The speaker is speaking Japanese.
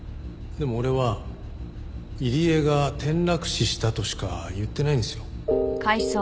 でも俺は「入江が転落死した」としか言ってないんですよ。